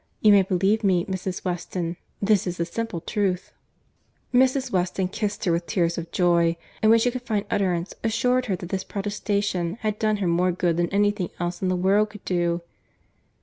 You may believe me, Mrs. Weston. This is the simple truth." Mrs. Weston kissed her with tears of joy; and when she could find utterance, assured her, that this protestation had done her more good than any thing else in the world could do.